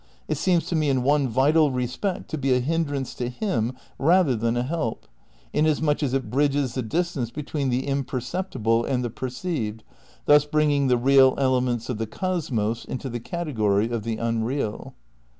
It seems to me in one vital respect to be a hindrance to him rather than a help, inasmuch as it bridges the distance between the imperceptible and the perceived, thus bringing the real elements of the cosmos into the category of the unreal.